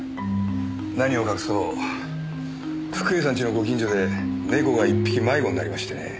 何を隠そう福栄さん家のご近所で猫が１匹迷子になりましてね。